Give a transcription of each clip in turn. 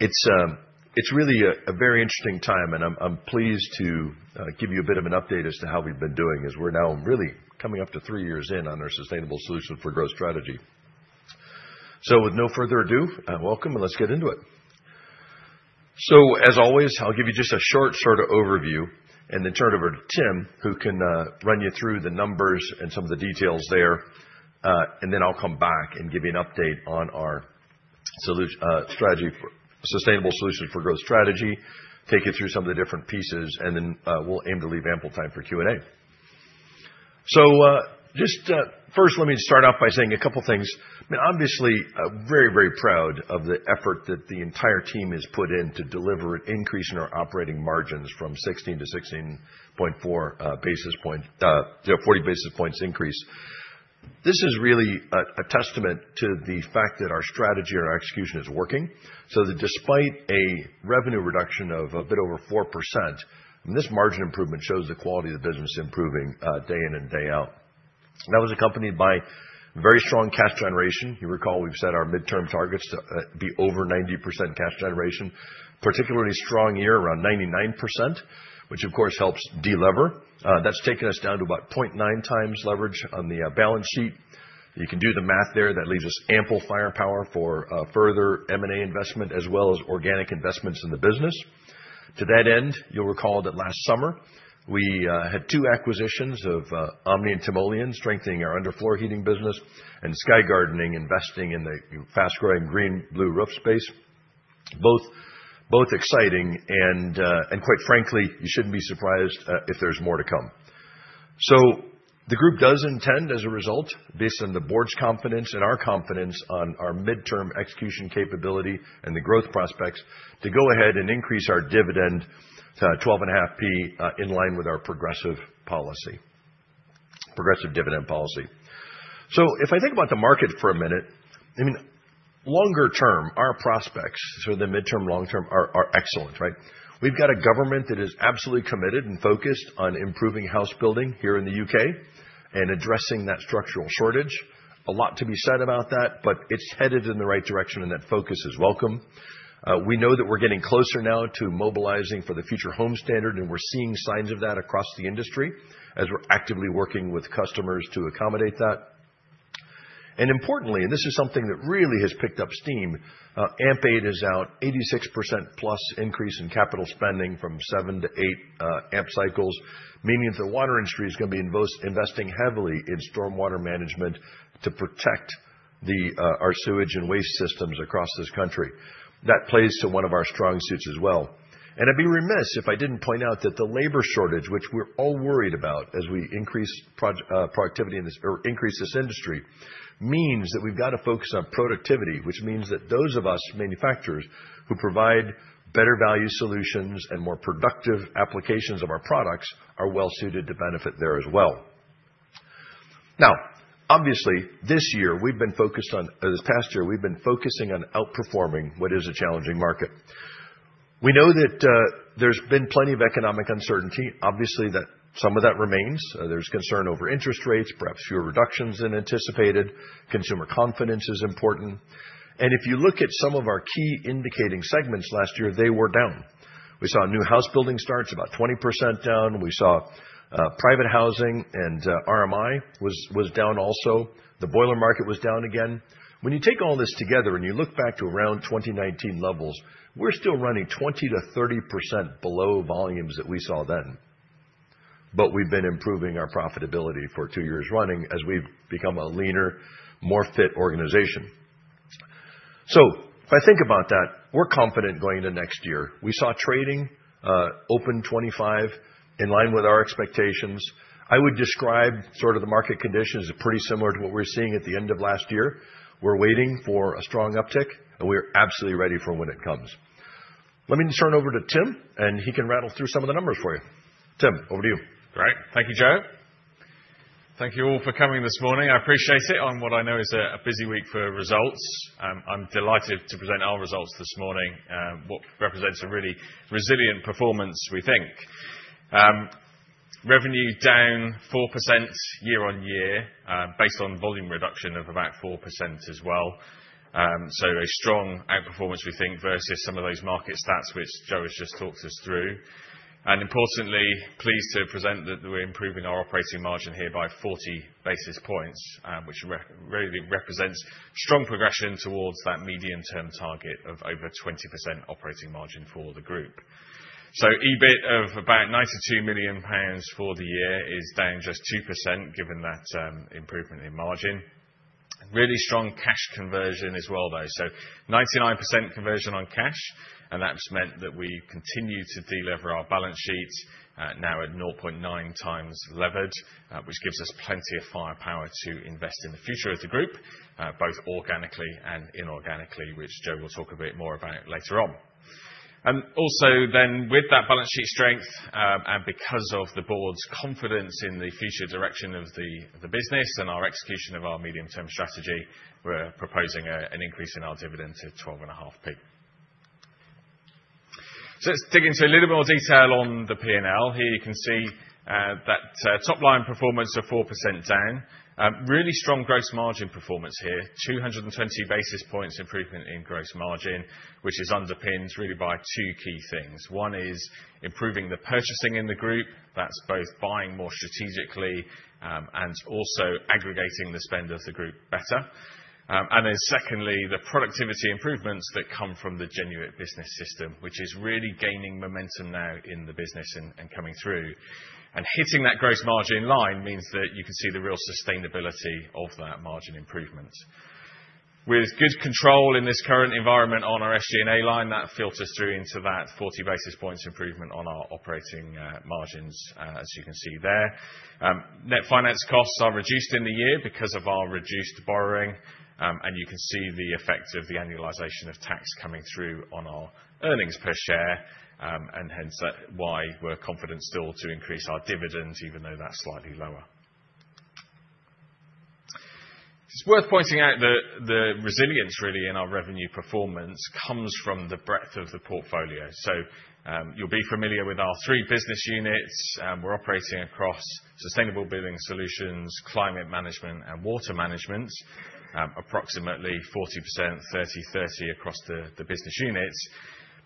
It's really a very interesting time, and I'm pleased to give you a bit of an update as to how we've been doing, as we're now really coming up to three years in on our Sustainable Solution for Growth strategy. With no further ado, welcome, and let's get into it. As always, I'll give you just a short sort of overview, and then turn it over to Tim, who can run you through the numbers and some of the details there, and then I'll come back and give you an update on our Sustainable Solution for Growth strategy, take you through some of the different pieces, and then we'll aim to leave ample time for Q&A. Just first, let me start off by saying a couple of things. I mean, obviously, I'm very, very proud of the effort that the entire team has put in to deliver an increase in our operating margins from 16 to 16.4 basis points, 40 basis points increase. This is really a testament to the fact that our strategy and our execution is working. Despite a revenue reduction of a bit over 4%, this margin improvement shows the quality of the business improving day in and day out. That was accompanied by very strong cash generation. You recall we've set our midterm targets to be over 90% cash generation, particularly strong year around 99%, which of course helps deliver. That's taken us down to about 0.9 times leverage on the balance sheet. You can do the math there. That leaves us ample firepower for further M&A investment, as well as organic investments in the business. To that end, you'll recall that last summer we had two acquisitions of Omnie and Timoleon, strengthening our underfloor heating business and Sky Garden, investing in the fast-growing green-blue roof space. Both exciting, and quite frankly, you shouldn't be surprised if there's more to come. The group does intend, as a result, based on the board's confidence and our confidence on our midterm execution capability and the growth prospects, to go ahead and increase our dividend to 0.125 in line with our progressive dividend policy. If I think about the market for a minute, I mean, longer term, our prospects, so the midterm, long-term, are excellent, right? We've got a government that is absolutely committed and focused on improving house building here in the U.K. and addressing that structural shortage. A lot to be said about that, but it's headed in the right direction, and that focus is welcome. We know that we're getting closer now to mobilizing for the Future Homes Standard, and we're seeing signs of that across the industry as we're actively working with customers to accommodate that. Importantly, and this is something that really has picked up steam, AMP8 is out, 86%+ increase in capital spending from seven to eight AMP cycles, meaning that the water industry is going to be investing heavily in stormwater management to protect our sewage and waste systems across this country. That plays to one of our strong suits as well. I would be remiss if I did not point out that the labor shortage, which we are all worried about as we increase productivity or increase this industry, means that we have to focus on productivity, which means that those of us manufacturers who provide better value solutions and more productive applications of our products are well suited to benefit there as well. Obviously, this year we have been focused on, or this past year, we have been focusing on outperforming what is a challenging market. We know that there has been plenty of economic uncertainty. Obviously, some of that remains. There is concern over interest rates, perhaps fewer reductions than anticipated. Consumer confidence is important. If you look at some of our key indicating segments last year, they were down. We saw new house building starts about 20% down. We saw private housing and RMI was down also. The boiler market was down again. When you take all this together and you look back to around 2019 levels, we're still running 20-30% below volumes that we saw then. We've been improving our profitability for two years running as we've become a leaner, more fit organization. If I think about that, we're confident going into next year. We saw trading open 25 in line with our expectations. I would describe sort of the market conditions as pretty similar to what we were seeing at the end of last year. We're waiting for a strong uptick, and we're absolutely ready for when it comes. Let me turn over to Tim, and he can rattle through some of the numbers for you. Tim, over to you. All right. Thank you, Joe. Thank you all for coming this morning. I appreciate it. On what I know is a busy week for results, I'm delighted to present our results this morning, what represents a really resilient performance, we think. Revenue down 4% year on year, based on volume reduction of about 4% as well. A strong outperformance, we think, versus some of those market stats which Joe has just talked us through. Importantly, pleased to present that we're improving our operating margin here by 40 basis points, which really represents strong progression towards that medium-term target of over 20% operating margin for the group. EBIT of about 92 million pounds for the year is down just 2%, given that improvement in margin. Really strong cash conversion as well, though. Ninety-nine percent conversion on cash, and that has meant that we continue to deliver our balance sheet now at 0.9 times leverage, which gives us plenty of firepower to invest in the future of the group, both organically and inorganically, which Joe will talk a bit more about later on. Also, with that balance sheet strength and because of the board's confidence in the future direction of the business and our execution of our medium-term strategy, we are proposing an increase in our dividend to 0.125. Let's dig into a little more detail on the P&L. Here you can see that top-line performance of 4% down. Really strong gross margin performance here, 220 basis points improvement in gross margin, which is underpinned really by two key things. One is improving the purchasing in the group. That is both buying more strategically and also aggregating the spend of the group better. The productivity improvements that come from the Genuit Business System, which is really gaining momentum now in the business and coming through, are hitting that gross margin line, which means that you can see the real sustainability of that margin improvement. With good control in this current environment on our SG&A line, that filters through into that 40 basis points improvement on our operating margins, as you can see there. Net finance costs are reduced in the year because of our reduced borrowing, and you can see the effect of the annualization of tax coming through on our earnings per share, and hence why we're confident still to increase our dividend, even though that's slightly lower. It's worth pointing out that the resilience really in our revenue performance comes from the breadth of the portfolio. You'll be familiar with our three business units. We're operating across sustainable building solutions, climate management, and water management, approximately 40%, 30/30 across the business units.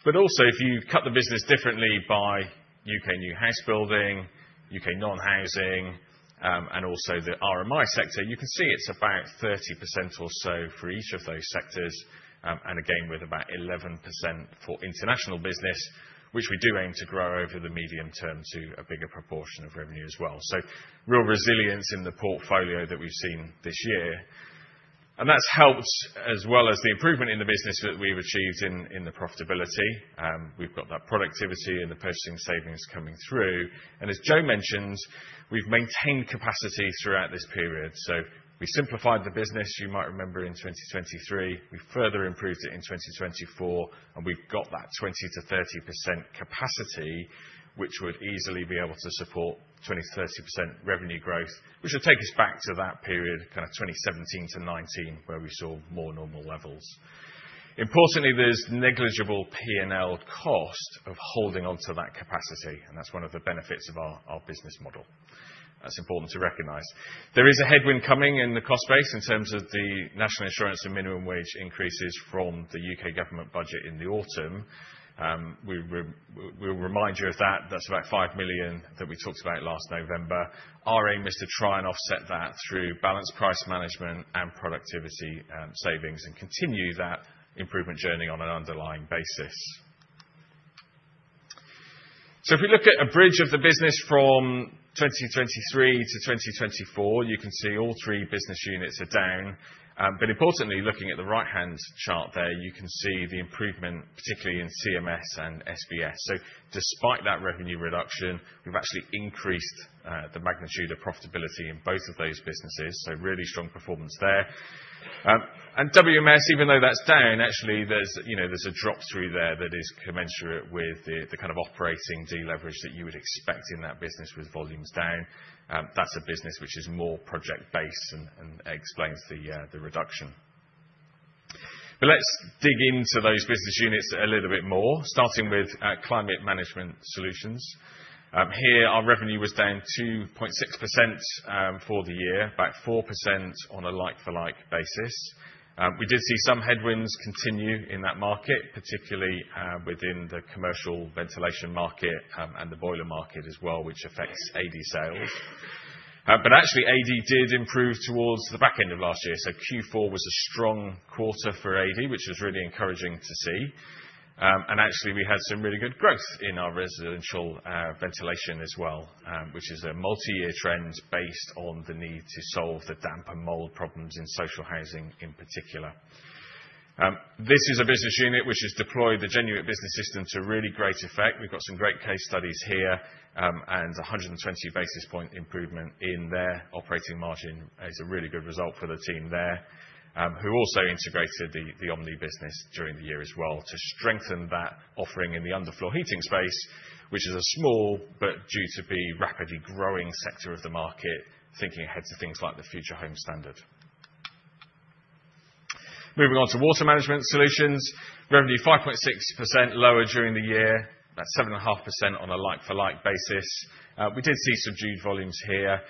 If you cut the business differently by U.K. new house building, U.K. non-housing, and also the RMI sector, you can see it's about 30% or so for each of those sectors, and again with about 11% for international business, which we do aim to grow over the medium term to a bigger proportion of revenue as well. Real resilience in the portfolio that we've seen this year. That's helped, as well as the improvement in the business that we've achieved in the profitability. We've got that productivity and the purchasing savings coming through. As Joe mentioned, we've maintained capacity throughout this period. We simplified the business, you might remember, in 2023. We further improved it in 2024, and we've got that 20-30% capacity, which would easily be able to support 20-30% revenue growth, which would take us back to that period, kind of 2017 to 2019, where we saw more normal levels. Importantly, there's negligible P&L cost of holding onto that capacity, and that's one of the benefits of our business model. That's important to recognize. There is a headwind coming in the cost base in terms of the National Insurance and Minimum Wage increases from the U.K. government budget in the autumn. We'll remind you of that. That's about 5 million that we talked about last November. Our aim is to try and offset that through balanced price management and productivity savings and continue that improvement journey on an underlying basis. If we look at a bridge of the business from 2023 to 2024, you can see all three business units are down. Importantly, looking at the right-hand chart there, you can see the improvement, particularly in CMS and SBS. Despite that revenue reduction, we have actually increased the magnitude of profitability in both of those businesses. Really strong performance there. WMS, even though that is down, actually, there is a drop through there that is commensurate with the kind of operating deleverage that you would expect in that business with volumes down. That is a business which is more project-based, and it explains the reduction. Let's dig into those business units a little bit more, starting with climate management solutions. Here, our revenue was down 2.6% for the year, about 4% on a like-for-like basis. We did see some headwinds continue in that market, particularly within the commercial ventilation market and the boiler market as well, which affects AD sales. Actually, AD did improve towards the back end of last year. Q4 was a strong quarter for AD, which was really encouraging to see. Actually, we had some really good growth in our residential ventilation as well, which is a multi-year trend based on the need to solve the damp and mould problems in social housing in particular. This is a business unit which has deployed the Genuit Business System to really great effect. We've got some great case studies here, and 120 basis point improvement in their operating margin is a really good result for the team there, who also integrated the Omnie business during the year as well to strengthen that offering in the underfloor heating space, which is a small but due-to-be rapidly growing sector of the market, thinking ahead to things like the Future Home Standard. Moving on to water management solutions, revenue 5.6% lower during the year, about 7.5% on a like-for-like basis. We did see subdued volumes here.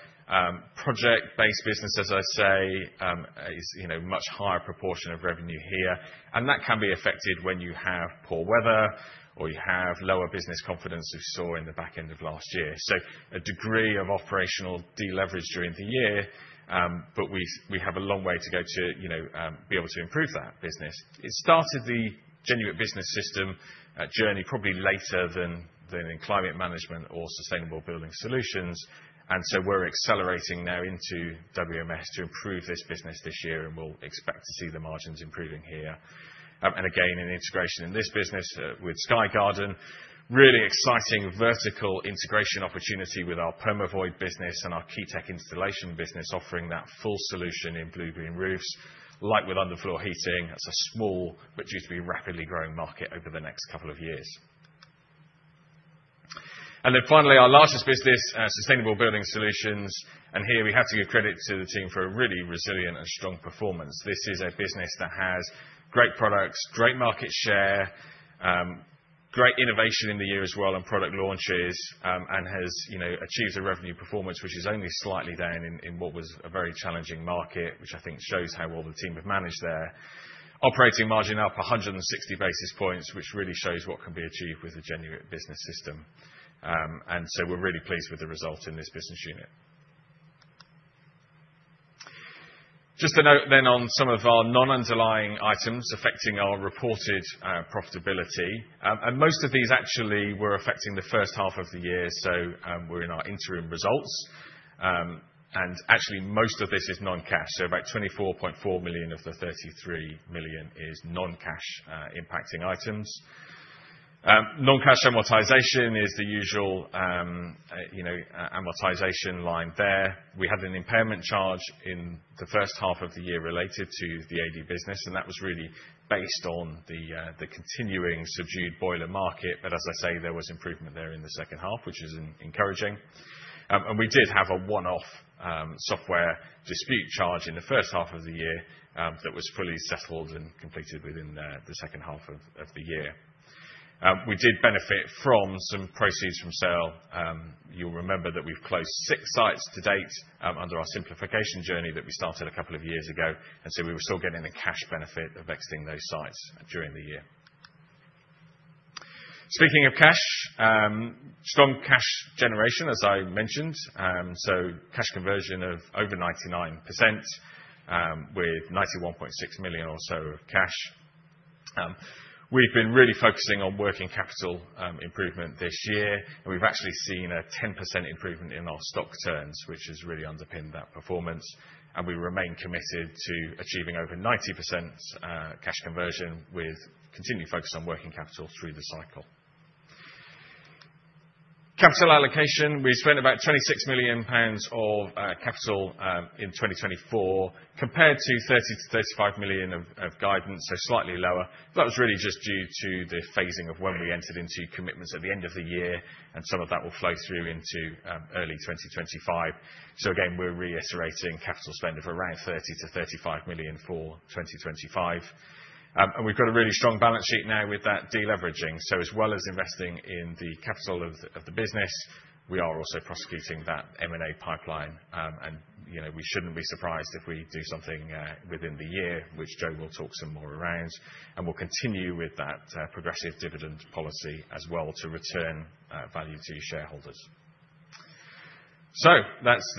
Project-based business, as I say, is a much higher proportion of revenue here. That can be affected when you have poor weather or you have lower business confidence, as we saw in the back end of last year. A degree of operational deleverage during the year, but we have a long way to go to be able to improve that business. It started the Genuit Business System journey probably later than in climate management or sustainable building solutions. We are accelerating now into WMS to improve this business this year, and we will expect to see the margins improving here. Again, an integration in this business with Sky Garden, really exciting vertical integration opportunity with our Permavoid business and our Keytec installation business, offering that full solution in blue-green roofs, like with underfloor heating. That is a small but due-to-be rapidly growing market over the next couple of years. Finally, our largest business, sustainable building solutions. Here, we have to give credit to the team for a really resilient and strong performance. This is a business that has great products, great market share, great innovation in the year as well in product launches, and has achieved a revenue performance which is only slightly down in what was a very challenging market, which I think shows how well the team have managed there. Operating margin up 160 basis points, which really shows what can be achieved with the Genuit Business System. We are really pleased with the result in this business unit. Just a note then on some of our non-underlying items affecting our reported profitability. Most of these actually were affecting the first half of the year, so were in our interim results. Actually, most of this is non-cash. About 24.4 million of the 33 million is non-cash impacting items. Non-cash amortization is the usual amortization line there. We had an impairment charge in the first half of the year related to the AD business, and that was really based on the continuing subdued boiler market. As I say, there was improvement there in the second half, which is encouraging. We did have a one-off software dispute charge in the first half of the year that was fully settled and completed within the second half of the year. We did benefit from some proceeds from sale. You'll remember that we've closed six sites to date under our simplification journey that we started a couple of years ago. We were still getting the cash benefit of exiting those sites during the year. Speaking of cash, strong cash generation, as I mentioned. Cash conversion of over 99% with 91.6 million or so of cash. We've been really focusing on working capital improvement this year, and we've actually seen a 10% improvement in our stock turns, which has really underpinned that performance. We remain committed to achieving over 90% cash conversion with continued focus on working capital through the cycle. Capital allocation, we spent about 26 million pounds of capital in 2024, compared to 30-35 million of guidance, so slightly lower. That was really just due to the phasing of when we entered into commitments at the end of the year, and some of that will flow through into early 2025. We are reiterating capital spend of around 30-35 million for 2025. We have a really strong balance sheet now with that deleveraging. As well as investing in the capital of the business, we are also prosecuting that M&A pipeline. We should not be surprised if we do something within the year, which Joe will talk some more around. We will continue with that progressive dividend policy as well to return value to shareholders. That is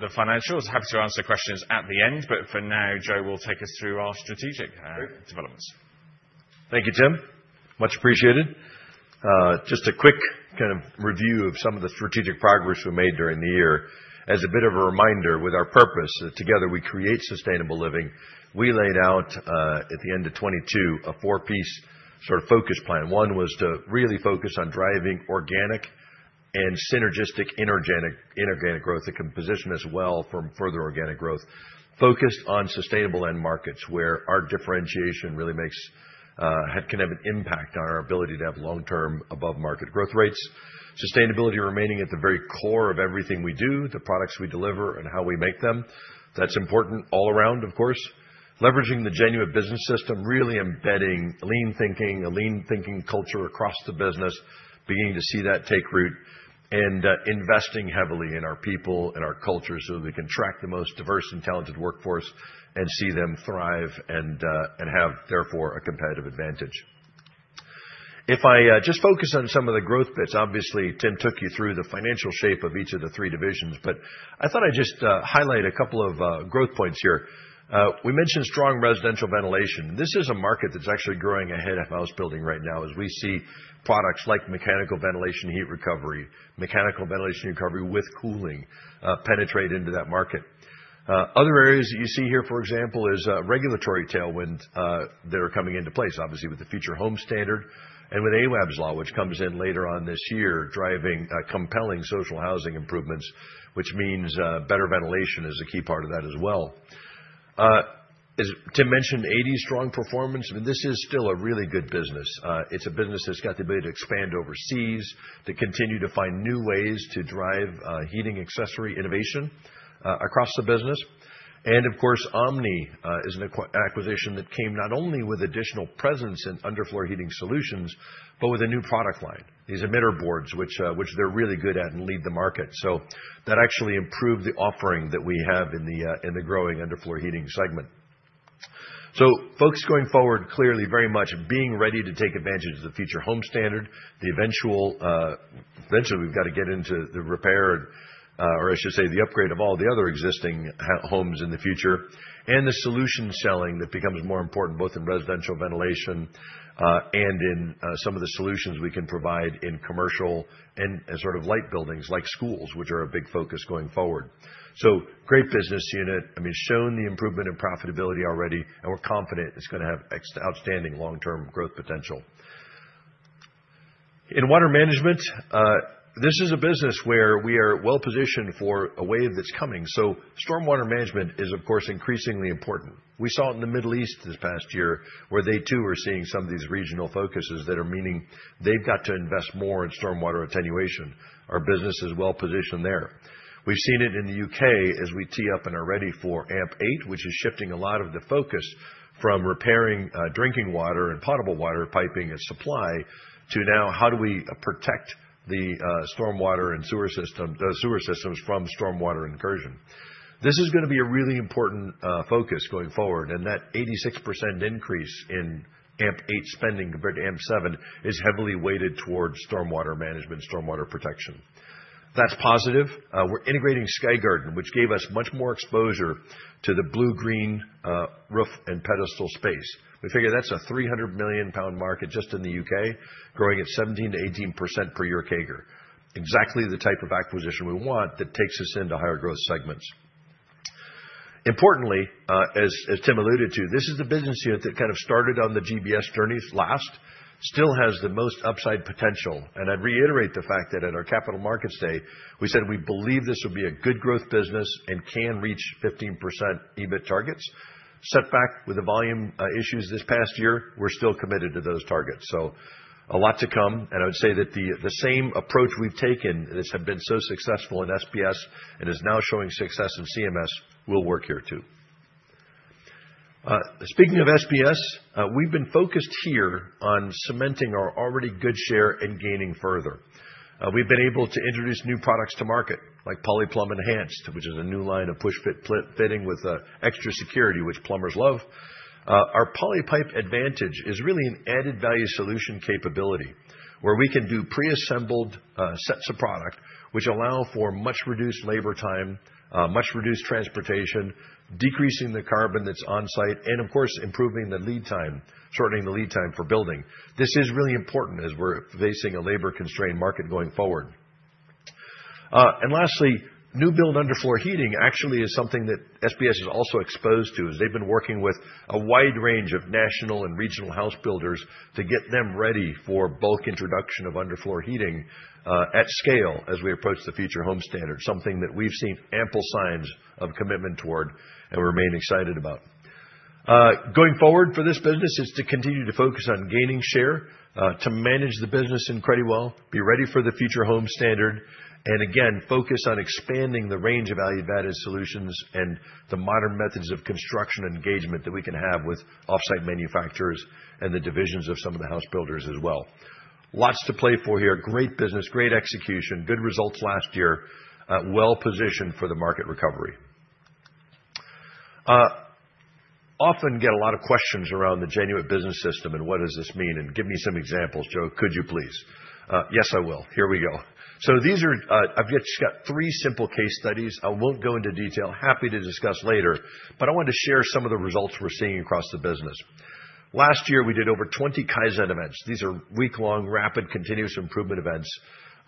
the financials. Happy to answer questions at the end, but for now, Joe will take us through our strategic developments. Thank you, Tim. Much appreciated. Just a quick kind of review of some of the strategic progress we made during the year. As a bit of a reminder, with our purpose that together we create sustainable living, we laid out at the end of 2022 a four-piece sort of focus plan. One was to really focus on driving organic and synergistic inorganic growth that can position us well for further organic growth, focused on sustainable end markets where our differentiation really can have an impact on our ability to have long-term above-market growth rates. Sustainability remaining at the very core of everything we do, the products we deliver and how we make them. That's important all around, of course. Leveraging the Genuit Business System, really embedding lean thinking, a lean thinking culture across the business, beginning to see that take root, and investing heavily in our people and our culture so that we can attract the most diverse and talented workforce and see them thrive and have, therefore, a competitive advantage. If I just focus on some of the growth bits, obviously, Tim took you through the financial shape of each of the three divisions, but I thought I'd just highlight a couple of growth points here. We mentioned strong residential ventilation. This is a market that's actually growing ahead of house building right now as we see products like mechanical ventilation with heat recovery, mechanical ventilation recovery with cooling penetrate into that market. Other areas that you see here, for example, are regulatory tailwinds that are coming into place, obviously, with the Future Home Standard and with Awaab's Law, which comes in later on this year, driving compelling social housing improvements, which means better ventilation is a key part of that as well. As Tim mentioned, AD's strong performance, I mean, this is still a really good business. It is a business that has the ability to expand overseas, to continue to find new ways to drive heating accessory innovation across the business. Of course, Omni is an acquisition that came not only with additional presence in underfloor heating solutions, but with a new product line, these emitter boards, which they are really good at and lead the market. That actually improved the offering that we have in the growing underfloor heating segment. Folks, going forward, clearly very much being ready to take advantage of the Future Home Standard, eventually, we have got to get into the repair, or I should say the upgrade of all the other existing homes in the future, and the solution selling that becomes more important both in residential ventilation and in some of the solutions we can provide in commercial and sort of light buildings like schools, which are a big focus going forward. Great business unit. I mean, shown the improvement in profitability already, and we are confident it is going to have outstanding long-term growth potential. In water management, this is a business where we are well positioned for a wave that is coming. Stormwater management is, of course, increasingly important. We saw it in the Middle East this past year where they too are seeing some of these regional focuses that are meaning they've got to invest more in stormwater attenuation. Our business is well positioned there. We've seen it in the U.K. as we tee up and are ready for AMP8, which is shifting a lot of the focus from repairing drinking water and potable water piping and supply to now how do we protect the stormwater and sewer systems from stormwater incursion. This is going to be a really important focus going forward, and that 86% increase in AMP8 spending compared to AMP7 is heavily weighted towards stormwater management, stormwater protection. That's positive. We're integrating Sky Garden, which gave us much more exposure to the blue-green roof and pedestal space. We figure that's a 300 million pound market just in the U.K., growing at 17-18% per year CAGR, exactly the type of acquisition we want that takes us into higher growth segments. Importantly, as Tim alluded to, this is the business unit that kind of started on the GBS journeys last, still has the most upside potential. I'd reiterate the fact that at our capital markets day, we said we believe this will be a good growth business and can reach 15% EBIT targets. Setback with the volume issues this past year, we're still committed to those targets. A lot to come. I would say that the same approach we've taken that's been so successful in SBS and is now showing success in CMS will work here too. Speaking of SBS, we've been focused here on cementing our already good share and gaining further. We've been able to introduce new products to market like Polyplum Enhanced, which is a new line of push-fit fitting with extra security, which plumbers love. Our Polypipe Advantage is really an added value solution capability where we can do preassembled sets of product, which allow for much reduced labor time, much reduced transportation, decreasing the carbon that's on-site, and of course, improving the lead time, shortening the lead time for building. This is really important as we're facing a labor-constrained market going forward. Lastly, new-build underfloor heating actually is something that SBS is also exposed to as they've been working with a wide range of national and regional house builders to get them ready for bulk introduction of underfloor heating at scale as we approach the Future Home Standard, something that we've seen ample signs of commitment toward and we're remaining excited about. Going forward for this business is to continue to focus on gaining share, to manage the business incredible, be ready for the Future Home Standard, and again, focus on expanding the range of value-added solutions and the modern methods of construction engagement that we can have with off-site manufacturers and the divisions of some of the house builders as well. Lots to play for here. Great business, great execution, good results last year, well positioned for the market recovery. I often get a lot of questions around the Genuit Business System and what does this mean. Give me some examples, Joe, could you please? Yes, I will. Here we go. These are, I have just got three simple case studies. I will not go into detail. Happy to discuss later, but I want to share some of the results we are seeing across the business. Last year, we did over 20 Kaizen events. These are week-long rapid continuous improvement events.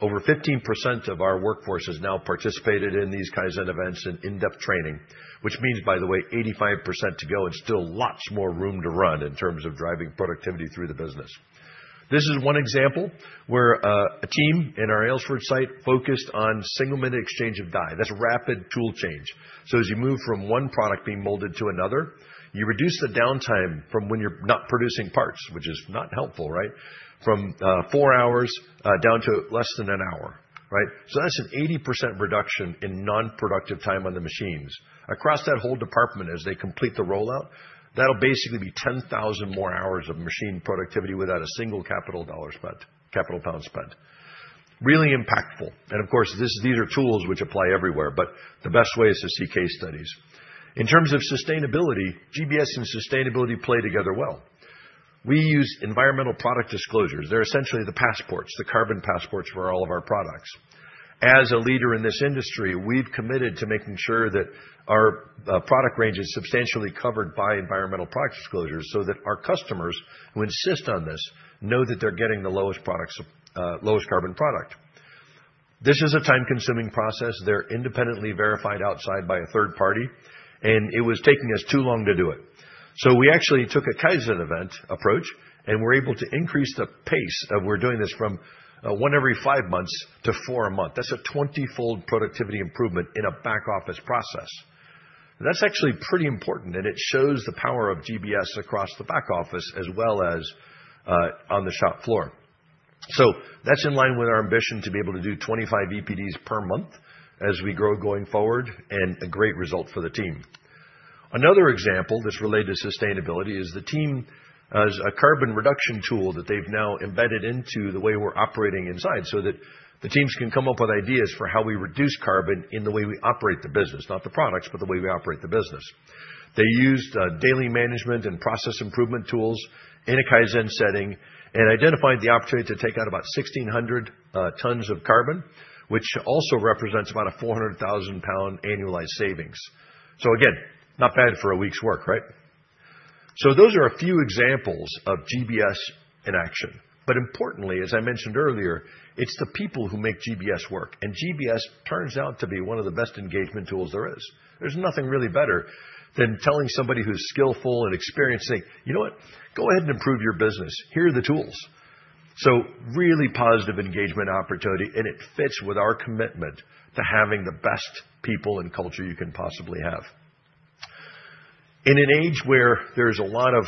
Over 15% of our workforce has now participated in these Kaizen events and in-depth training, which means, by the way, 85% to go and still lots more room to run in terms of driving productivity through the business. This is one example where a team in our Aylesford site focused on single-minute exchange of die. That is rapid tool change. As you move from one product being molded to another, you reduce the downtime from when you are not producing parts, which is not helpful, right? From four hours down to less than an hour, right? That is an 80% reduction in non-productive time on the machines. Across that whole department, as they complete the rollout, that will basically be 10,000 more hours of machine productivity without a single capital pound spent. Really impactful. Of course, these are tools which apply everywhere, but the best way is to see case studies. In terms of sustainability, GBS and sustainability play together well. We use environmental product disclosures. They're essentially the passports, the carbon passports for all of our products. As a leader in this industry, we've committed to making sure that our product range is substantially covered by environmental product disclosures so that our customers who insist on this know that they're getting the lowest carbon product. This is a time-consuming process. They're independently verified outside by a third party, and it was taking us too long to do it. We actually took a Kaizen event approach, and we're able to increase the pace of we're doing this from one every five months to four a month. That's a 20-fold productivity improvement in a back office process. That's actually pretty important, and it shows the power of GBS across the back office as well as on the shop floor. That's in line with our ambition to be able to do 25 EPDs per month as we grow going forward and a great result for the team. Another example that's related to sustainability is the team has a carbon reduction tool that they've now embedded into the way we're operating inside so that the teams can come up with ideas for how we reduce carbon in the way we operate the business, not the products, but the way we operate the business. They used daily management and process improvement tools in a Kaizen setting and identified the opportunity to take out about 1,600 tons of carbon, which also represents about 400,000 pound annualized savings. Again, not bad for a week's work, right? Those are a few examples of GBS in action. Importantly, as I mentioned earlier, it's the people who make GBS work. GBS turns out to be one of the best engagement tools there is. There's nothing really better than telling somebody who's skillful and experienced, saying, "You know what? Go ahead and improve your business. Here are the tools." Really positive engagement opportunity, and it fits with our commitment to having the best people and culture you can possibly have. In an age where there's a lot of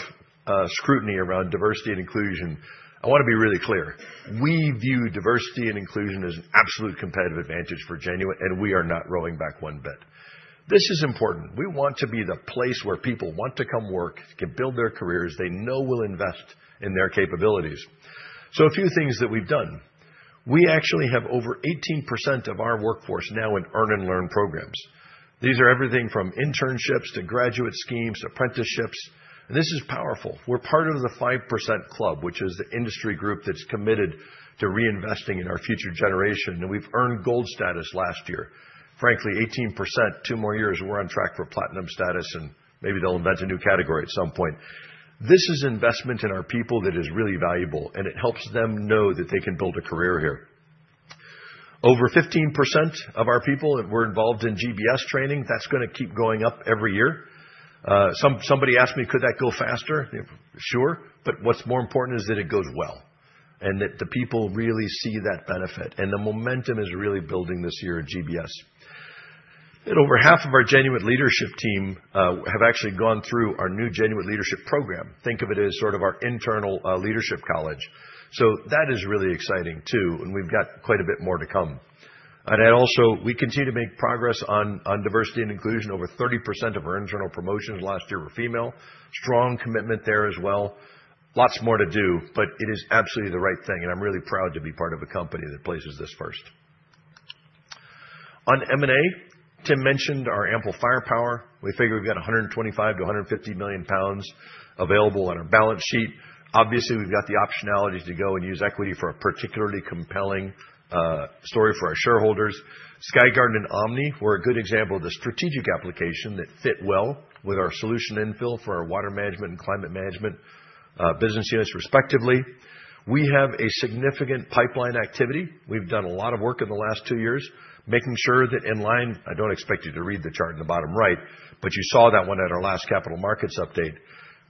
scrutiny around diversity and inclusion, I want to be really clear. We view diversity and inclusion as an absolute competitive advantage for Genuit, and we are not rolling back one bit. This is important. We want to be the place where people want to come work, can build their careers, they know we'll invest in their capabilities. A few things that we've done. We actually have over 18% of our workforce now in earn and learn programs. These are everything from internships to graduate schemes, apprenticeships. This is powerful. We're part of the 5% Club, which is the industry group that's committed to reinvesting in our future generation, and we've earned gold status last year. Frankly, 18%, two more years, we're on track for platinum status, and maybe they'll invent a new category at some point. This is investment in our people that is really valuable, and it helps them know that they can build a career here. Over 15% of our people that were involved in GBS training, that's going to keep going up every year. Somebody asked me, "Could that go faster?" Sure, but what's more important is that it goes well and that the people really see that benefit. The momentum is really building this year at GBS. Over half of our Genuit leadership team have actually gone through our new Genuit leadership program. Think of it as sort of our internal leadership college. That is really exciting too, and we have quite a bit more to come. We continue to make progress on diversity and inclusion. Over 30% of our internal promotions last year were female. Strong commitment there as well. Lots more to do, but it is absolutely the right thing, and I am really proud to be part of a company that places this first. On M&A, Tim mentioned our ample firepower. We figure we have 125 million-150 million pounds available on our balance sheet. Obviously, we have the optionality to go and use equity for a particularly compelling story for our shareholders. Sky Garden and Omni were a good example of the strategic application that fit well with our solution infill for our water management and climate management business units, respectively. We have a significant pipeline activity. We've done a lot of work in the last two years, making sure that in line, I don't expect you to read the chart in the bottom right, but you saw that one at our last capital markets update.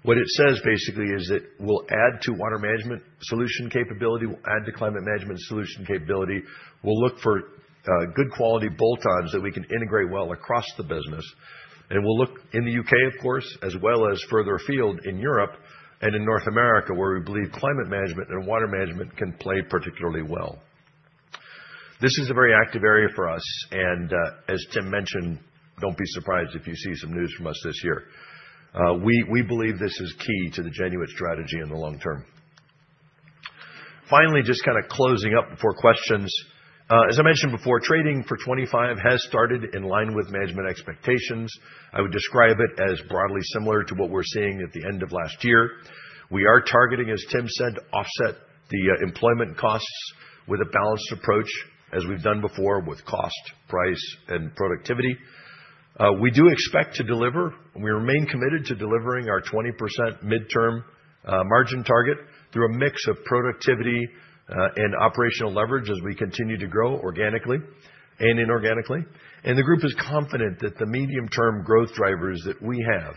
What it says basically is that we'll add to water management solution capability, we'll add to climate management solution capability, we'll look for good quality bolt-ons that we can integrate well across the business. We'll look in the U.K., of course, as well as further afield in Europe and in North America where we believe climate management and water management can play particularly well. This is a very active area for us, and as Tim mentioned, do not be surprised if you see some news from us this year. We believe this is key to the Genuit strategy in the long term. Finally, just kind of closing up for questions. As I mentioned before, trading for 2025 has started in line with management expectations. I would describe it as broadly similar to what we are seeing at the end of last year. We are targeting, as Tim said, to offset the employment costs with a balanced approach as we have done before with cost, price, and productivity. We do expect to deliver, and we remain committed to delivering our 20% midterm margin target through a mix of productivity and operational leverage as we continue to grow organically and inorganically. The group is confident that the medium-term growth drivers that we have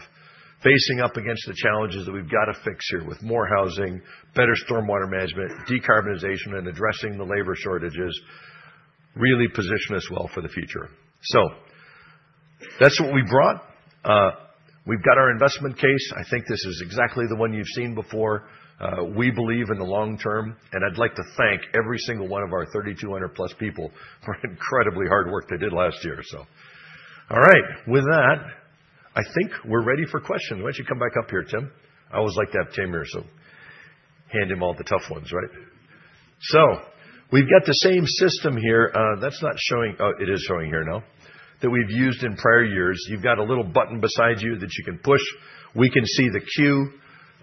facing up against the challenges that we've got to fix here with more housing, better stormwater management, decarbonization, and addressing the labor shortages really position us well for the future. That is what we brought. We've got our investment case. I think this is exactly the one you've seen before. We believe in the long term, and I'd like to thank every single one of our 3,200-plus people for the incredibly hard work they did last year. All right. With that, I think we're ready for questions. Why don't you come back up here, Tim? I always like to have Tim here, so hand him all the tough ones, right? We've got the same system here. That's not showing—oh, it is showing here now—that we've used in prior years. You've got a little button beside you that you can push. We can see the queue.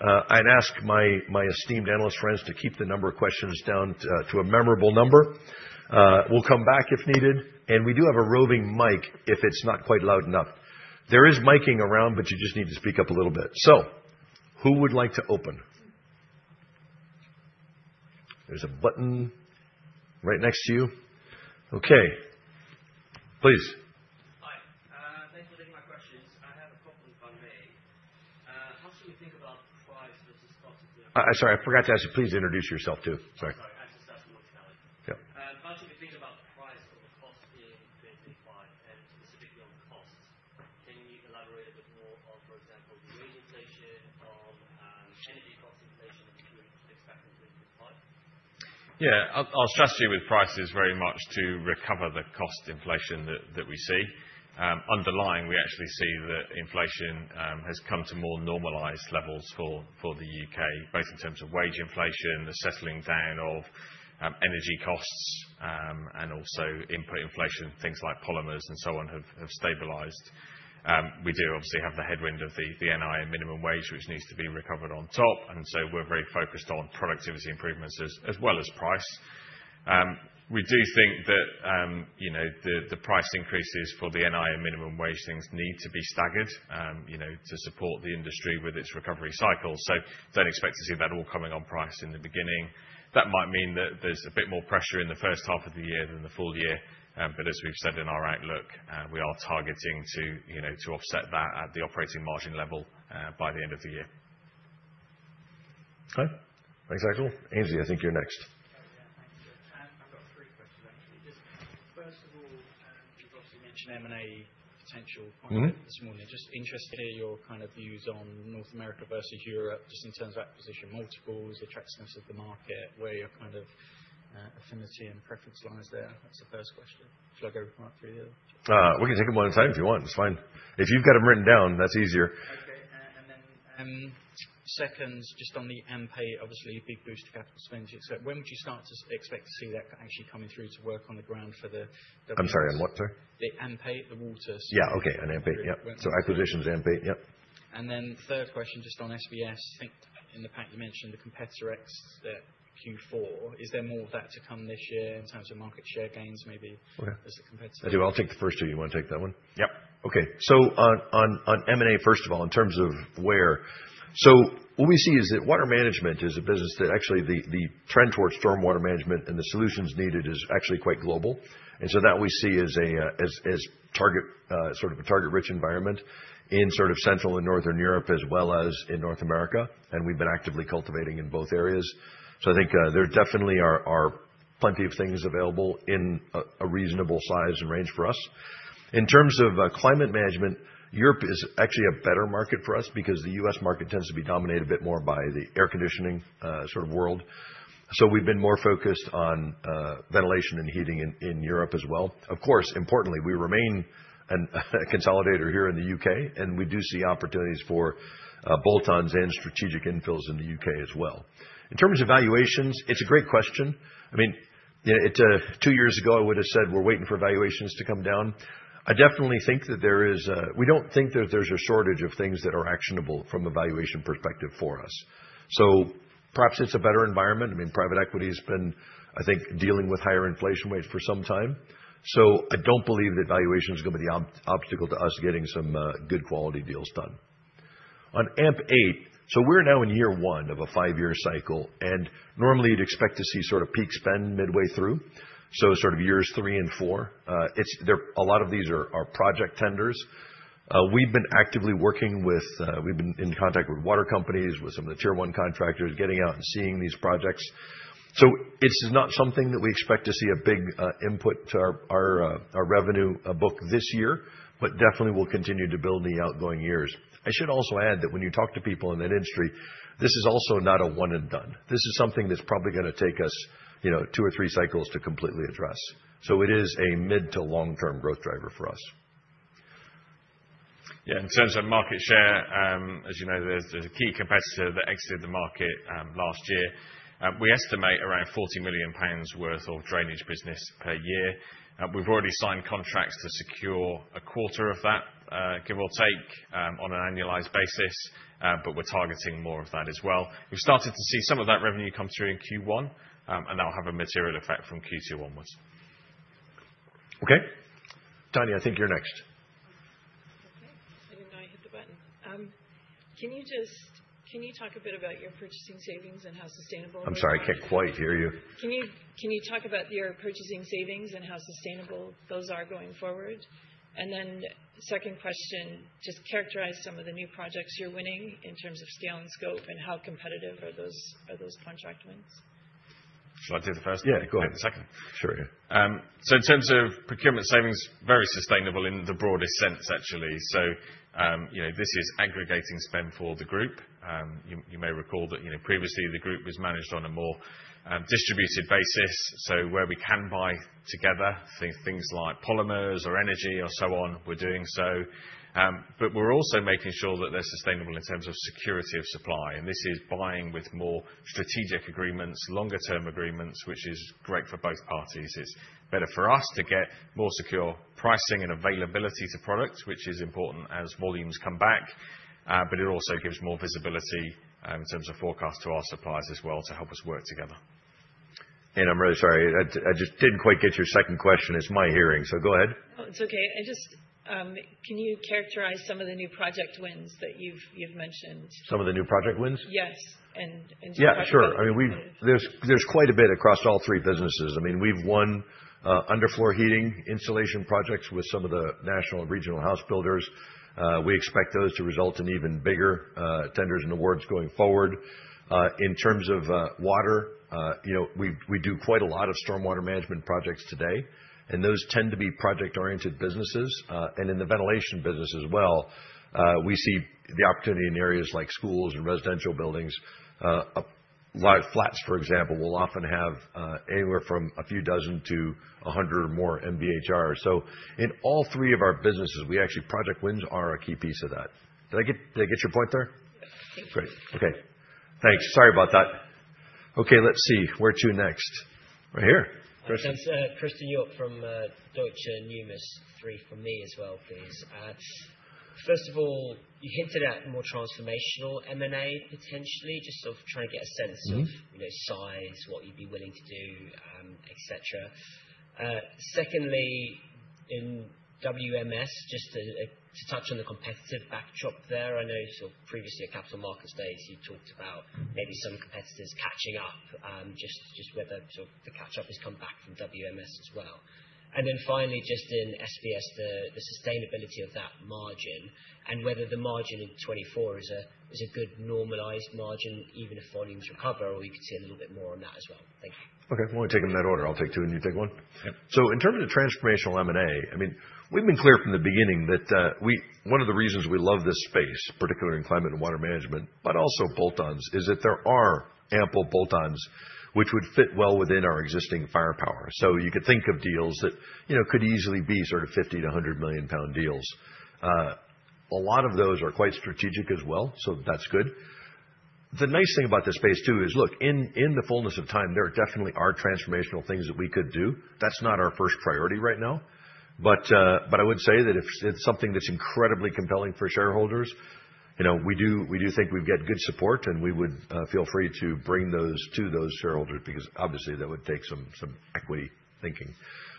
I'd ask my esteemed analyst friends to keep the number of questions down to a memorable number. We'll come back if needed. We do have a roving mic if it's not quite loud enough. There is miking around, but you just need to speak up a little bit. Who would like to open? There's a button right next to you. Okay. Please. Hi. Thanks for taking my questions. I have a problem by me. How should we think about the price versus cost? Sorry, I forgot to ask you. Please introduce yourself too. Sorry. Sorry. I'm Sasha McNally. How should we think about the price or the cost being 2025? Specifically on costs, can you elaborate a bit more on, for example, the wage inflation, on energy cost inflation, and if we're expecting 2025? Yeah. Our strategy with price is very much to recover the cost inflation that we see. Underlying, we actually see that inflation has come to more normalized levels for the U.K., both in terms of wage inflation, the settling down of energy costs, and also input inflation. Things like polymers and so on have stabilized. We do obviously have the headwind of the NIM minimum wage, which needs to be recovered on top. We are very focused on productivity improvements as well as price. We do think that the price increases for the NIM minimum wage things need to be staggered to support the industry with its recovery cycle. Do not expect to see that all coming on price in the beginning. That might mean that there's a bit more pressure in the first half of the year than the full year. As we've said in our outlook, we are targeting to offset that at the operating margin level by the end of the year. Okay. Thanks, Aisle. Angie, I think you're next. Yeah. Thanks. I've got three questions, actually. Just first of all, you've obviously mentioned M&A potential quite a bit this morning. Just interested to hear your kind of views on North America versus Europe just in terms of acquisition multiples, the attractiveness of the market, where your kind of affinity and preference lies there. That's the first question. Shall I go right through the other? We can take them one at a time if you want. It's fine. If you've got them written down, that's easier. Okay. Then second, just on the AMP8, obviously, big boost to capital expense. When would you start to expect to see that actually coming through to work on the ground for the? I'm sorry. On what, sorry? The AMP8, the water. Yeah. Okay. On AMP8. Yeah. So acquisitions, AMP8. Yeah. Then third question, just on SBS, I think in the pack you mentioned, the competitor X, that Q4, is there more of that to come this year in terms of market share gains maybe as the competitor? I do. I'll take the first two. You want to take that one? Yep. Okay. On M&A, first of all, in terms of where. What we see is that water management is a business that actually the trend towards stormwater management and the solutions needed is actually quite global. That we see as sort of a target-rich environment in sort of Central and Northern Europe as well as in North America. We have been actively cultivating in both areas. I think there definitely are plenty of things available in a reasonable size and range for us. In terms of climate management, Europe is actually a better market for us because the U.S. market tends to be dominated a bit more by the air conditioning sort of world. We have been more focused on ventilation and heating in Europe as well. Of course, importantly, we remain a consolidator here in the U.K., and we do see opportunities for bolt-ons and strategic infills in the U.K. as well. In terms of valuations, it's a great question. I mean, two years ago, I would have said we're waiting for valuations to come down. I definitely think that there is a—we do not think that there is a shortage of things that are actionable from a valuation perspective for us. Perhaps it is a better environment. I mean, private equity has been, I think, dealing with higher inflation rates for some time. I do not believe that valuations are going to be the obstacle to us getting some good quality deals done. On AMP8, we are now in year one of a five-year cycle, and normally you would expect to see sort of peak spend midway through. Sort of years three and four, a lot of these are project tenders. We have been actively working with—we have been in contact with water companies, with some of the tier one contractors, getting out and seeing these projects. It is not something that we expect to see a big input to our revenue book this year, but definitely we will continue to build in the outgoing years. I should also add that when you talk to people in that industry, this is also not a one-and-done. This is something that is probably going to take us two or three cycles to completely address. It is a mid to long-term growth driver for us. Yeah. In terms of market share, as you know, there is a key competitor that exited the market last year. We estimate around 40 million pounds worth of drainage business per year. We have already signed contracts to secure a quarter of that, give or take, on an annualized basis, but we are targeting more of that as well. We've started to see some of that revenue come through in Q1, and that will have a material effect from Q2 onwards. Okay. Tony, I think you're next. Okay. I didn't know I hit the button. Can you just—can you talk a bit about your purchasing savings and how sustainable? I'm sorry. I can't quite hear you. Can you talk about your purchasing savings and how sustainable those are going forward? And then second question, just characterize some of the new projects you're winning in terms of scale and scope and how competitive are those contract wins? Shall I take the first? Yeah. Go ahead. The second. Sure. In terms of procurement savings, very sustainable in the broadest sense, actually. This is aggregating spend for the group. You may recall that previously the group was managed on a more distributed basis. Where we can buy together, things like polymers or energy or so on, we're doing so. We're also making sure that they're sustainable in terms of security of supply. This is buying with more strategic agreements, longer-term agreements, which is great for both parties. It's better for us to get more secure pricing and availability to products, which is important as volumes come back. It also gives more visibility in terms of forecast to our suppliers as well to help us work together. I'm really sorry. I just didn't quite get your second question. It's my hearing. Go ahead. Oh, it's okay. Can you characterize some of the new project wins that you've mentioned? Some of the new project wins? Y es. How do you? Yeah. Sure. I mean, there's quite a bit across all three businesses. I mean, we've won underfloor heating installation projects with some of the national and regional house builders. We expect those to result in even bigger tenders and awards going forward. In terms of water, we do quite a lot of stormwater management projects today, and those tend to be project-oriented businesses. In the ventilation business as well, we see the opportunity in areas like schools and residential buildings. Flats, for example, will often have anywhere from a few dozen to 100 or more MVHRs. In all three of our businesses, we actually—project wins are a key piece of that. Did I get your point there? Yes. Great. Okay. Thanks. Sorry about that. Okay. Let's see. Where to next? Right here. Kristen. Kristen York from Deutsche Numis. Three for me as well, please. First of all, you hinted at more transformational M&A potentially, just sort of trying to get a sense of size, what you'd be willing to do, etc. Secondly, in WMS, just to touch on the competitive backdrop there, I know sort of previously at capital markets days, you talked about maybe some competitors catching up, just whether sort of the catch-up has come back from WMS as well. Finally, just in SBS, the sustainability of that margin and whether the margin in 2024 is a good normalized margin even if volumes recover or you could see a little bit more on that as well. Thank you. Okay. Why don't you take them in that order? I'll take two, and you take one. In terms of transformational M&A, I mean, we've been clear from the beginning that one of the reasons we love this space, particularly in climate and water management, but also bolt-ons, is that there are ample bolt-ons which would fit well within our existing firepower. You could think of deals that could easily be sort of 50 million-100 million pound deals. A lot of those are quite strategic as well, so that's good. The nice thing about this space too is, look, in the fullness of time, there definitely are transformational things that we could do. That's not our first priority right now. I would say that if it's something that's incredibly compelling for shareholders, we do think we've got good support, and we would feel free to bring those to those shareholders because, obviously, that would take some equity thinking.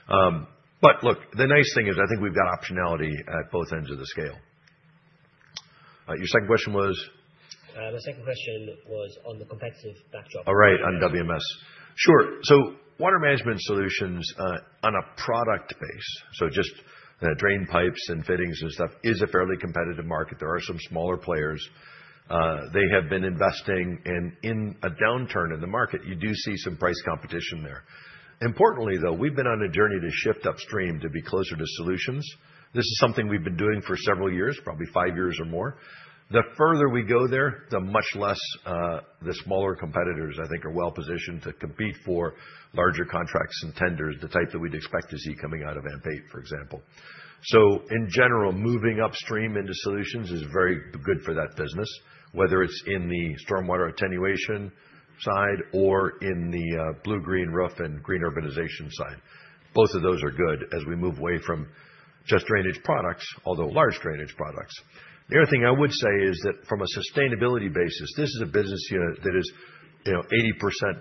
Look, the nice thing is I think we've got optionality at both ends of the scale. Your second question was? My second question was on the competitive backdrop. Oh, right. On WMS. Sure. Water management solutions on a product base, so just drain pipes and fittings and stuff, is a fairly competitive market. There are some smaller players. They have been investing, and in a downturn in the market, you do see some price competition there. Importantly, though, we've been on a journey to shift upstream to be closer to solutions. This is something we've been doing for several years, probably five years or more. The further we go there, the smaller competitors, I think, are well-positioned to compete for larger contracts and tenders, the type that we'd expect to see coming out of AMP8, for example. In general, moving upstream into solutions is very good for that business, whether it's in the stormwater attenuation side or in the blue-green roof and green urbanization side. Both of those are good as we move away from just drainage products, although large drainage products. The other thing I would say is that from a sustainability basis, this is a business that is 80%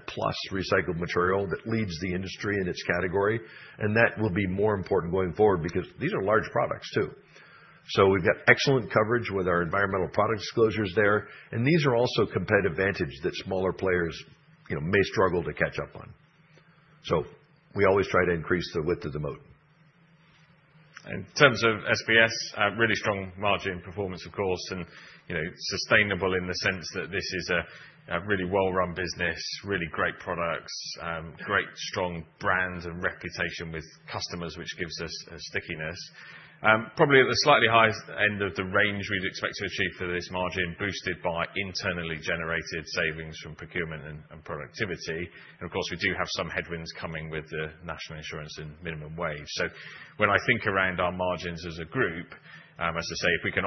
plus recycled material that leads the industry in its category. That will be more important going forward because these are large products too. We have excellent coverage with our environmental product disclosures there. These are also competitive advantages that smaller players may struggle to catch up on. We always try to increase the width of the moat. In terms of SBS, really strong margin performance, of course, and sustainable in the sense that this is a really well-run business, really great products, great strong brand and reputation with customers, which gives us stickiness. Probably at the slightly higher end of the range we would expect to achieve for this margin, boosted by internally generated savings from procurement and productivity. We do have some headwinds coming with the national insurance and minimum wage. When I think around our margins as a group, as I say, if we can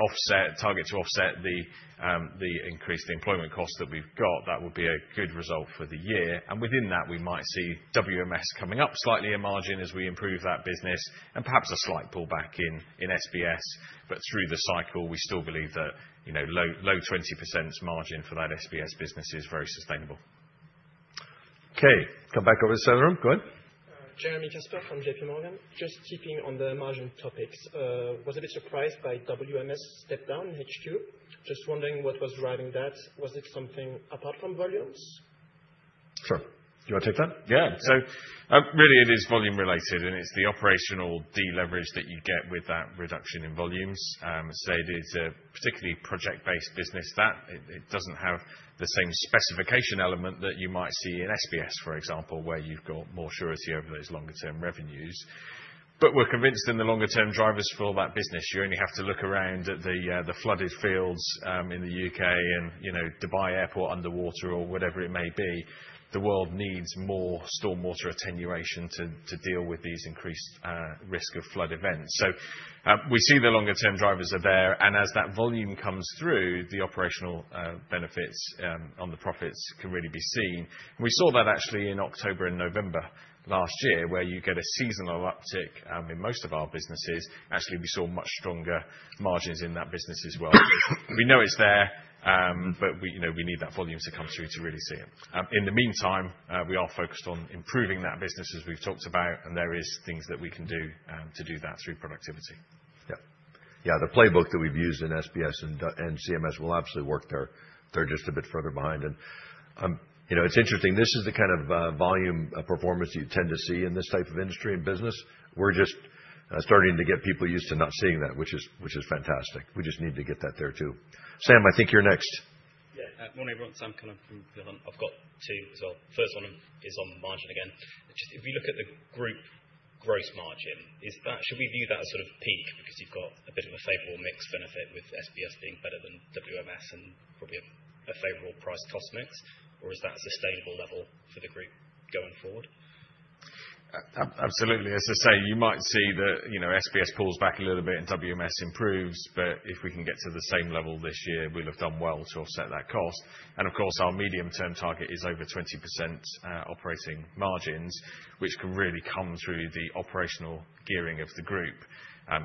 target to offset the increased employment cost that we have, that would be a good result for the year. Within that, we might see WMS coming up slightly in margin as we improve that business and perhaps a slight pullback in SBS. Through the cycle, we still believe that low 20% margin for that SBS business is very sustainable. Okay. Come back over to the center room. Go ahead. Jeremy Kasper from JPMorgan. Just keeping on the margin topics, was a bit surprised by WMS step-down in HQ. Just wondering what was driving that. Was it something apart from volumes? Sure. Do you want to take that? Yeah. It is volume-related, and it's the operational deleverage that you get with that reduction in volumes. SuDS is a particularly project-based business that does not have the same specification element that you might see in SBS, for example, where you've got more surety over those longer-term revenues. We're convinced in the longer-term drivers for that business, you only have to look around at the flooded fields in the U.K. and Dubai Airport underwater or whatever it may be. The world needs more stormwater attenuation to deal with these increased risk of flood events. We see the longer-term drivers are there. As that volume comes through, the operational benefits on the profits can really be seen. We saw that actually in October and November last year where you get a seasonal uptick in most of our businesses. Actually, we saw much stronger margins in that business as well. We know it's there, but we need that volume to come through to really see it. In the meantime, we are focused on improving that business as we've talked about, and there are things that we can do to do that through productivity. Yeah. Yeah. The playbook that we've used in SBS and CMS will absolutely work there. They're just a bit further behind. It's interesting. This is the kind of volume performance you tend to see in this type of industry and business. We're just starting to get people used to not seeing that, which is fantastic. We just need to get that there too. Sam, I think you're next. Yeah. Morning, everyone. Sam Kellogg from Billhorn. I've got two as well. First one is on margin again. If you look at the group gross margin, should we view that as sort of peak because you've got a bit of a favorable mix benefit with SBS being better than WMS and probably a favorable price-cost mix, or is that a sustainable level for the group going forward? Absolutely. As I say, you might see that SBS pulls back a little bit and WMS improves, but if we can get to the same level this year, we'll have done well to offset that cost. Of course, our medium-term target is over 20% operating margins, which can really come through the operational gearing of the group.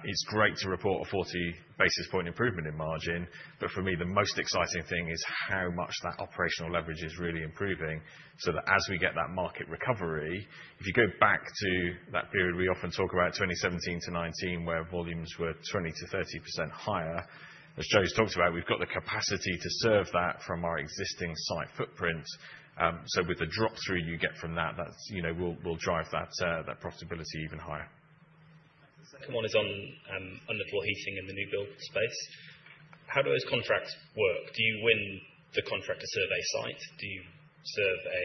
It's great to report a 40 basis point improvement in margin, but for me, the most exciting thing is how much that operational leverage is really improving so that as we get that market recovery, if you go back to that period we often talk about, 2017 to 2019, where volumes were 20-30% higher, as Joe's talked about, we've got the capacity to serve that from our existing site footprint. With the drop-through you get from that, we'll drive that profitability even higher. The second one is on underfloor heating in the new build space. How do those contracts work? Do you win the contractor survey site? Do you serve a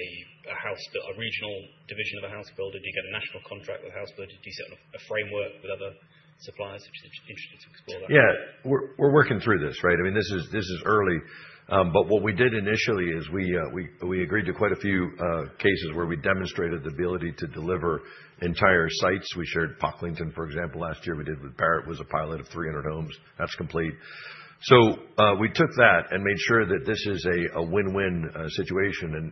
regional division of a house builder? Do you get a national contract with a house builder? Do you sit on a framework with other suppliers? Interested to explore that. Yeah. We're working through this, right? I mean, this is early. What we did initially is we agreed to quite a few cases where we demonstrated the ability to deliver entire sites. We shared Pocklington, for example, last year we did with Barrett, was a pilot of 300 homes. That's complete. We took that and made sure that this is a win-win situation.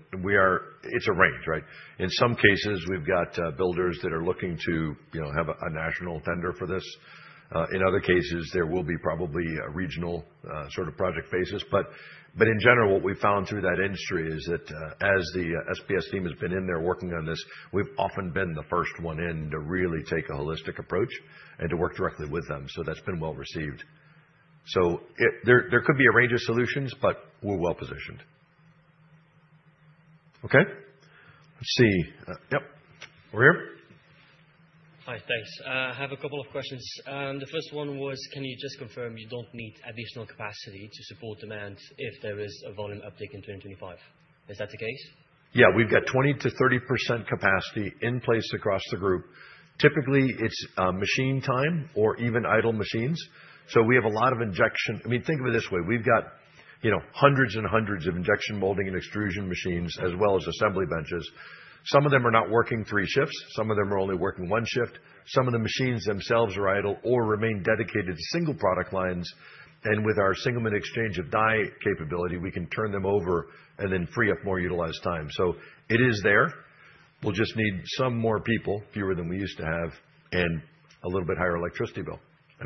It's a range, right? In some cases, we've got builders that are looking to have a national tender for this. In other cases, there will be probably a regional sort of project basis. In general, what we found through that industry is that as the GBS team has been in there working on this, we've often been the first one in to really take a holistic approach and to work directly with them. That's been well received. There could be a range of solutions, but we're well positioned. Okay. Let's see. Yep. Over here. Hi. Thanks. I have a couple of questions. The first one was, can you just confirm you don't need additional capacity to support demand if there is a volume uptake in 2025? Is that the case? Yeah. We've got 20-30% capacity in place across the group. Typically, it's machine time or even idle machines. We have a lot of injection. I mean, think of it this way. We've got hundreds and hundreds of injection molding and extrusion machines as well as assembly benches. Some of them are not working three shifts. Some of them are only working one shift. Some of the machines themselves are idle or remain dedicated to single product lines. With our single-minute exchange of die capability, we can turn them over and then free up more utilized time. It is there. We'll just need some more people, fewer than we used to have, and a little bit higher electricity bill.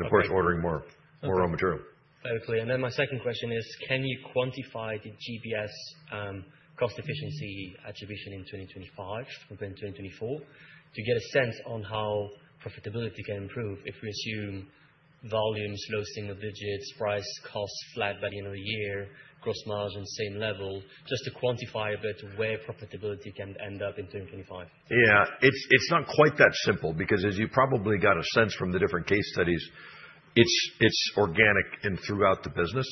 Of course, ordering more raw material. Perfect. My second question is, can you quantify the GBS cost efficiency attribution in 2025 from 2024 to get a sense on how profitability can improve if we assume volumes, low single digits, price costs flat by the end of the year, gross margin same level, just to quantify a bit where profitability can end up in 2025? Yeah. It is not quite that simple because, as you probably got a sense from the different case studies, it is organic and throughout the business.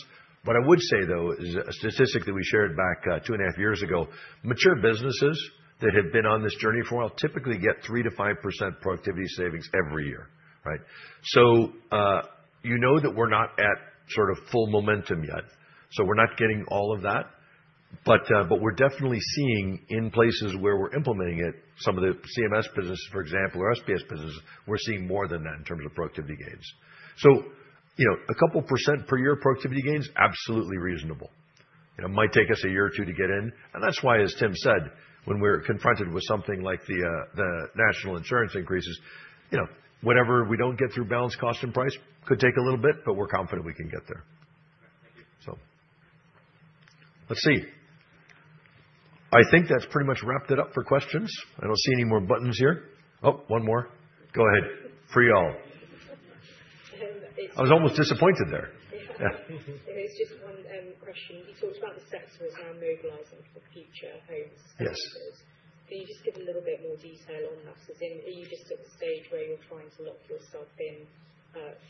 What I would say, though, is a statistic that we shared back two and a half years ago. Mature businesses that have been on this journey for a while typically get 3-5% productivity savings every year, right? You know that we are not at sort of full momentum yet. We are not getting all of that. We're definitely seeing in places where we're implementing it, some of the CMS businesses, for example, or SBS businesses, we're seeing more than that in terms of productivity gains. A couple percent per year productivity gains, absolutely reasonable. It might take us a year or two to get in. As Tim said, when we're confronted with something like the national insurance increases, whatever we don't get through balance cost and price could take a little bit, but we're confident we can get there. Thank you. Let's see. I think that's pretty much wrapped it up for questions. I don't see any more buttons here. Oh, one more. Go ahead. Priyal. I was almost disappointed there. It's just one question. You talked about the sector is now mobilizing for future homes. Can you just give a little bit more detail on that? As in, are you just at the stage where you're trying to lock yourself in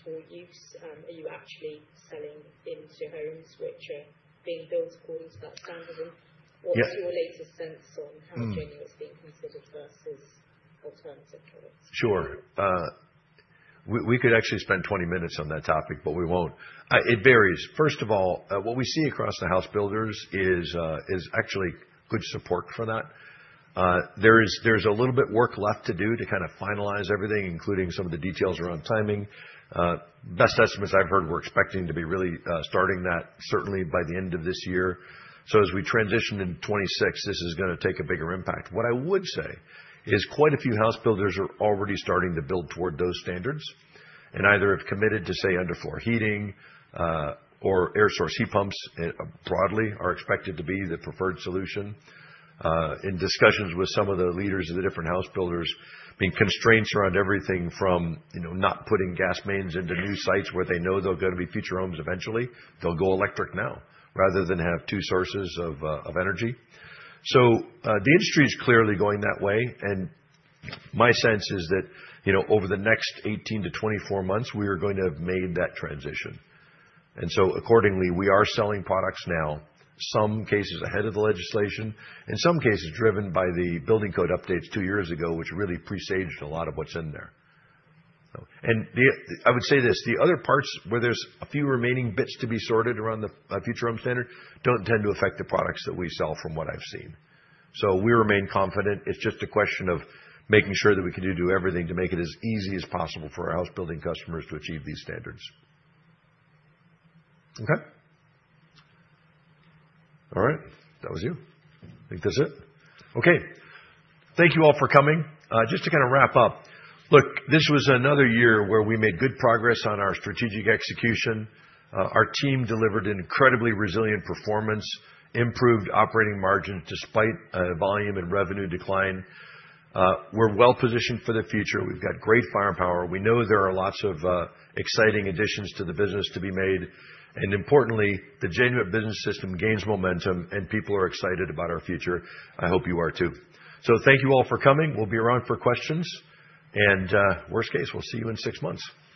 for use? Are you actually selling into homes which are being built according to that standard? What's your latest sense on how genuine it's being considered versus alternative products? Sure. We could actually spend 20 minutes on that topic, but we won't. It varies. First of all, what we see across the house builders is actually good support for that. There's a little bit of work left to do to kind of finalize everything, including some of the details around timing. Best estimates I've heard, we're expecting to be really starting that certainly by the end of this year. As we transition into 2026, this is going to take a bigger impact. What I would say is quite a few house builders are already starting to build toward those standards. Either have committed to, say, underfloor heating or air source heat pumps broadly are expected to be the preferred solution. In discussions with some of the leaders of the different house builders, being constraints around everything from not putting gas mains into new sites where they know they are going to be future homes eventually, they will go electric now rather than have two sources of energy. The industry is clearly going that way. My sense is that over the next 18-24 months, we are going to have made that transition. Accordingly, we are selling products now, in some cases ahead of the legislation, in some cases driven by the building code updates two years ago, which really presaged a lot of what is in there. I would say this. The other parts where there's a few remaining bits to be sorted around the Future Home Standard do not tend to affect the products that we sell from what I've seen. We remain confident. It's just a question of making sure that we can do everything to make it as easy as possible for our house building customers to achieve these standards. Okay. All right. That was you. I think that's it. Okay. Thank you all for coming. Just to kind of wrap up, look, this was another year where we made good progress on our strategic execution. Our team delivered incredibly resilient performance, improved operating margins despite volume and revenue decline. We are well positioned for the future. We've got great firepower. We know there are lots of exciting additions to the business to be made. Importantly, the Genuit Business System gains momentum and people are excited about our future. I hope you are too. Thank you all for coming. We will be around for questions. Worst case, we will see you in six months.